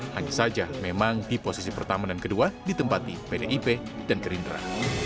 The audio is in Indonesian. hanya saja memang di posisi pertama dan kedua ditempati pdip dan gerindra